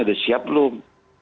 sudah siap belum